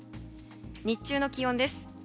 日中の気温です。